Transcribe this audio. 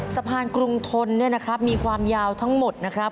สะพานกรุงทนเนี่ยนะครับมีความยาวทั้งหมดนะครับ